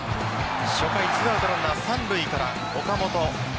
初回２アウトランナー三塁から岡本。